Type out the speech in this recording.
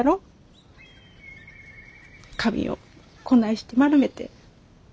髪をこないして丸めて。